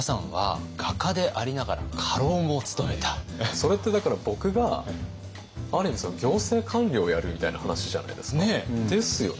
それってだから僕がある意味行政官僚をやるみたいな話じゃないですか。ですよね？